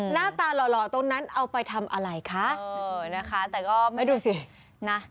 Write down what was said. หน้าตาหล่อตรงนั้นเอาไปทำอะไรคะ